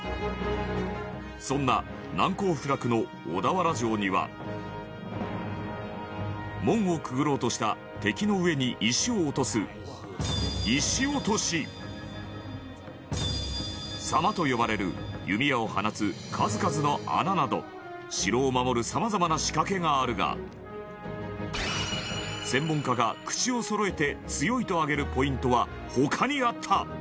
そんな難攻不落の小田原城には門をくぐろうとした敵の上に石を落とす、石落とし狭間と呼ばれる弓矢を放つ数々の穴など城を守るさまざまな仕掛けがあるが専門家が口をそろえて強いと挙げるポイントは他にあった。